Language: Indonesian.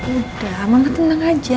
udah mama tenang aja